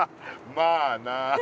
まあな。